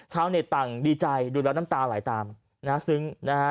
เช้าเน็ตต่างดีใจดูแล้วน้ำตาหลายตามซึ้งนะครับ